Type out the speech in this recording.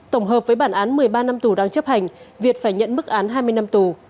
tổng hợp với bản án một mươi ba năm tù đang chấp hành việt phải nhận mức án hai mươi năm tù